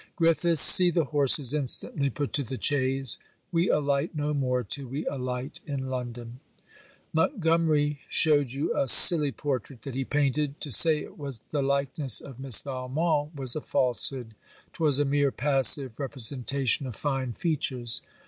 Griffiths, see the horses instantly put to the chaise. We alight no more, till we alight in London.' Montgomery showed you a silly portrait that he painted. To say it was the likeness of Miss Valmont was a falsehood. 'Twas a mere passive representation of fine features.